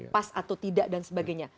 pas atau tidak dan sebagainya